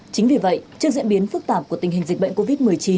chính vì vậy trước diễn biến phức tạp của tình hình dịch bệnh covid một mươi chín